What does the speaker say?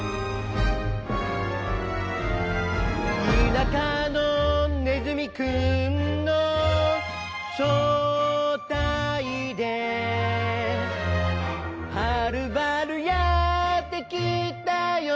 「田舎のねずみくんのしょうたいで」「はるばるやってきたよ」